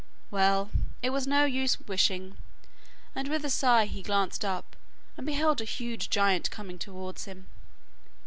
Well, it was no use wishing, and with a sigh he glanced up, and beheld a huge giant coming towards him.